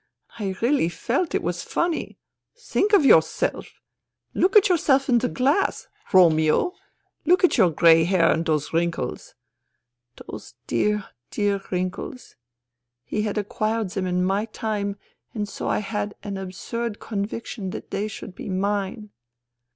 I really felt it was funny. ' Think of yourself ! Look at your self in the glass. Romeo ! Look at your grey hairs and those wrinkles ! (Those dear, dear wrinkles. THE THREE SISTERS 85 He had acquired them in my time, and so I had an absurd conviction that they should be mine.)